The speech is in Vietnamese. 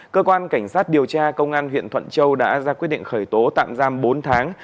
cơ quan cảnh sát điều tra công an huyện thuận châu đã ra quyết định khởi tố tạm giam bốn tháng